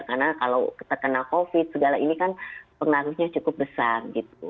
karena kalau terkena covid segala ini kan pengaruhnya cukup besar gitu